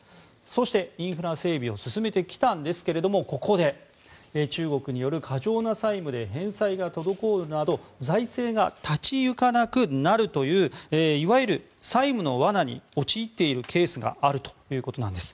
そして、インフラ整備を進めてきたんですけれどもここで中国による過剰な債務で返済が滞るなど財政が立ち行かなくなるといういわゆる債務の罠に陥っているケースがあるということなんです。